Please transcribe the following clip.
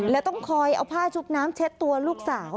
และต้องคอยเอาผ้าชุบน้ำเช็ดตัวลูกสาว